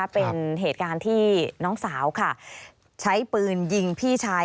เป็นเหตุการณ์ที่น้องสาวค่ะใช้ปืนยิงพี่ชาย